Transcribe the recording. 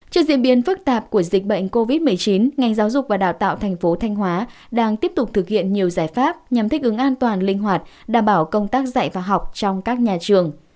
trước diễn biến phức tạp của dịch bệnh covid một mươi chín ngành giáo dục và đào tạo thành phố thanh hóa đang tiếp tục thực hiện nhiều giải pháp nhằm thích ứng an toàn linh hoạt đảm bảo công tác dạy và học trong các nhà trường